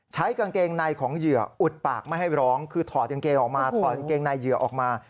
ใช้กางเกงในของเหยื่ออุดปากไม่ให้ร้องคือถอดกางเกงออกมาถอดกางเกงในเหยื่อออกมา